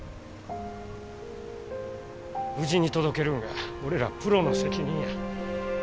無事に届けるんが俺らプロの責任や。